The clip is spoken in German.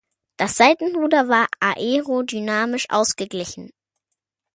Das Seitenruder war aerodynamisch ausgeglichen.